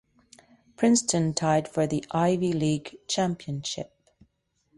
Princeton tied for the Ivy League championship.